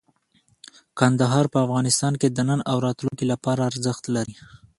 کندهار په افغانستان کې د نن او راتلونکي لپاره ارزښت لري.